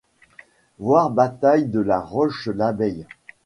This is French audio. Voir Bataille de La Roche-l'Abeille.